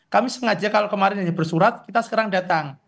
kami sengaja kalau kemarin hanya bersurat kita sekarang datang